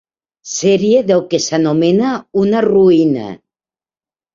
Serie el que s'anomena una ruïna.